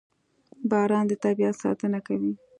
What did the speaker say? • باران د طبیعت ساتنه کوي.